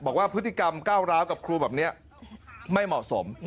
บอกว่าพฤติกรรมก้าวร้าวกับครูแบบนี้ไม่เหมาะสม